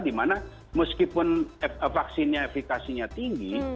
dimana meskipun vaksinnya efekasinya tinggi